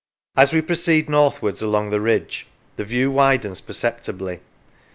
As we proceed northwards along the ridge the view widens perceptibly.